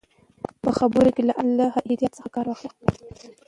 په خبرو کې له احتیاط څخه کار واخلئ.